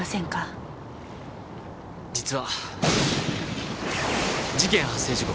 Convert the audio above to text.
実は事件発生時刻